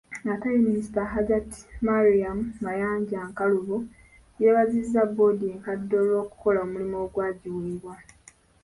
Ate ye Minisita Hajjati Mariam Mayanja Nkalubo yeebazizza boodi enkadde olw’okukola omulimu ogwagiweebwa.